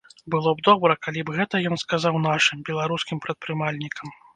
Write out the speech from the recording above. Было б добра, калі б гэта ён сказаў нашым, беларускім прадпрымальнікам.